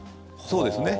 そうですね。